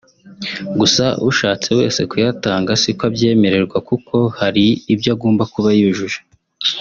gusa ushatse wese kuyatanga si ko abyemererwa kuko hari ibyo agomba kuba yujuje